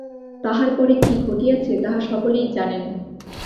তাহার পরে কী ঘটিয়াছে তাহা সকলেই জানেন।